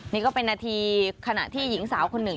นี่ก็เป็นนาทีขณะที่หญิงสาวคนหนึ่ง